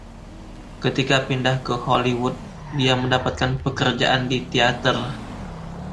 Ketika pindah ke Hollywood, dia mendapatkan pekerjaan di teater.